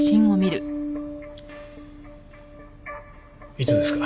いつですか？